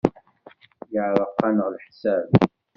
Yeɛreq-aneɣ leḥsab.